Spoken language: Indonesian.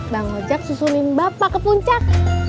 bang ojek susunin bapak ke puncak